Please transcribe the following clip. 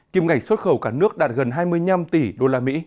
kim ngạch xuất khẩu cả nước đạt gần hai mươi năm tỷ usd